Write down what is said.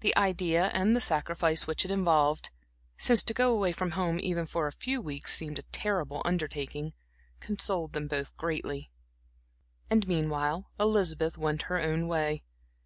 The idea and the sacrifice which it involved (since to go away from home, even for a few weeks, seemed a terrible undertaking) consoled them both greatly. And meanwhile Elizabeth went her own way.